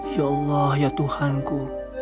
ya allah ya tuhanku